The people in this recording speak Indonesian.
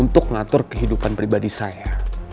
untuk mengatur kehidupan pribadi saya